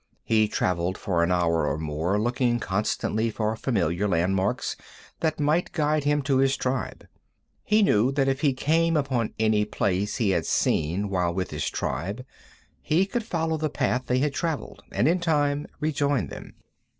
He traveled for an hour or more, looking constantly for familiar landmarks that might guide him to his tribe. He knew that if he came upon any place he had seen while with his tribe he could follow the path they had traveled and in time rejoin them.